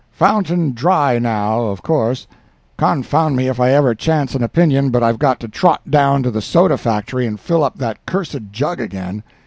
"Fountain dry now, of course. Confound me if I ever chance an opinion but I've got to trot down to the soda factory and fill up that cursed jug again.